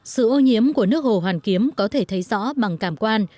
sự ô nhiễm của nước hồ hoàn kiếm có thể thấy rõ bằng cảm quan